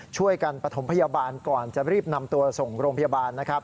ช่วยกันปฐมพยาบาลก่อนจะรีบนำตัวส่งโรงพยาบาลนะครับ